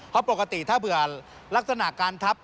เพราะปกติถ้าเผื่อลักษณะการทับ